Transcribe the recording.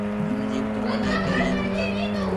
ھمي جيم تو مني ڪي ايم اي ڪرو